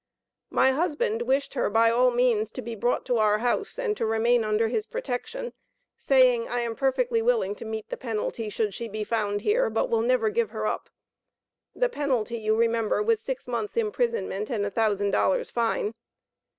My husband wished her, by all means, to be brought to our house, and to remain under his protection, saying 'I am perfectly willing to meet the penalty, should she be found here, but will never give her up.' The penalty, you remember, was six months' imprisonment and a thousand dollars fine.